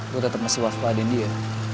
gue tetep masih waspahdin dia